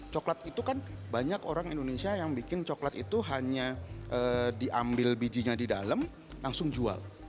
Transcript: coklat itu kan banyak orang indonesia yang bikin coklat itu hanya diambil bijinya di dalam langsung jual